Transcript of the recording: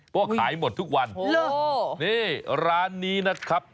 มันขายหมดทุกวัน